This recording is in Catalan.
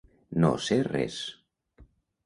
No ser res.